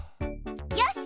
よし！